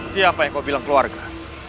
siapa yang kau bilang keluarga